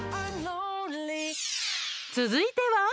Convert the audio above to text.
続いては。